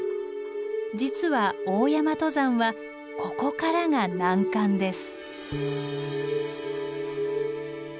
実は大山登山はここからが難関です。